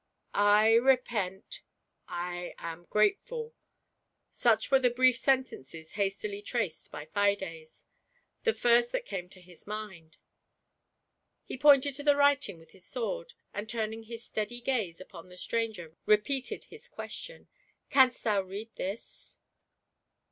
"J repent —/ ara grateful'' — such were the brief sentences hastily traced by Fides, the first that came into his mind. He pointed to the writing with his sword, and turning his steady gaze upon the stranger, repeated his question, "Can'st thou read this?"